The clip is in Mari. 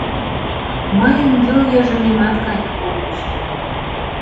Мыйын йолйыжыҥемат каен колтыш.